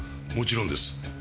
もちろんです。